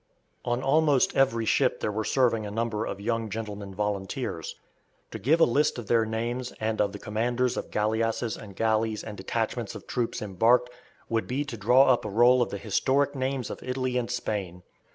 On almost every ship there were serving a number of young gentlemen volunteers. To give a list of their names and of the commanders of galleasses and galleys and detachments of troops embarked would be to draw up a roll of the historic names of Italy and Spain.